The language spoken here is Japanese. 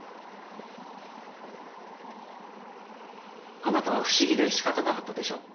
あなたは不思議で仕方なかったでしょう。